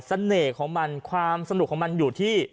ของมันความสนุกของมันอยู่ที่